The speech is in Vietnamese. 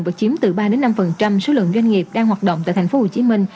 và chiếm từ ba năm số lượng doanh nghiệp đang hoạt động tại tp hcm